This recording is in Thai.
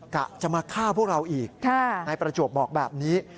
กะจะมาฆ่าพวกเราอีกนายประจวบบอกแบบนี้